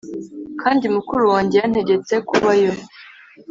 kandi mukuru wanjye yantegetse kubayo.